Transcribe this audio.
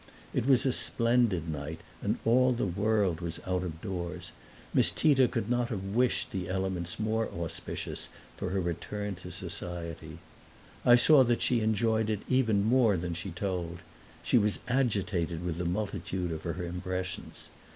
It was a splendid night and all the world was out of doors; Miss Tita could not have wished the elements more auspicious for her return to society. I saw that she enjoyed it even more than she told; she was agitated with the multitude of her impressions.